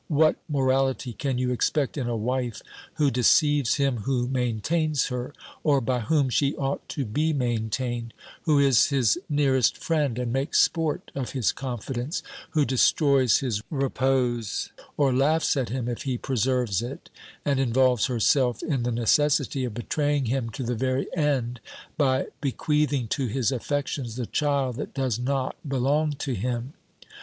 What morality can you expect in a wife who deceives him who maintains her, or by whom she ought to be maintained; who is his nearest friend, and makes sport of his confidence ; who destroys his repose, or laughs at him if he preserves it ; and involves herself in the necessity of betraying him to the very end, by bequeathing to his affections the child that does not belong to him